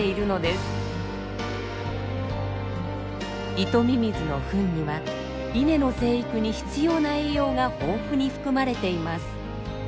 イトミミズの糞には稲の生育に必要な栄養が豊富に含まれています。